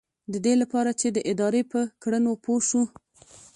ددې لپاره چې د ادارې په کړنو پوه شو.